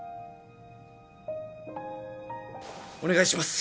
お願いします！